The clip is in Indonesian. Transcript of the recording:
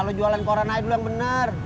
lo jualan korea naik dulu yang bener